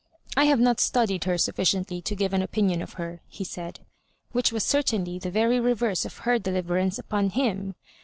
" I have not studied her sufficiently to give an opi nion of her," he said, which was certainly the very reverse of her deliverance upon him.